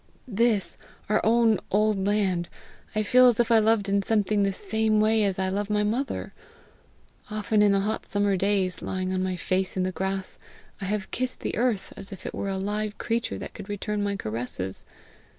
This, our own old land, I feel as if I loved in something the same way as I love my mother. Often in the hot summer days, lying on my face in the grass, I have kissed the earth as if it were a live creature that could return my caresses!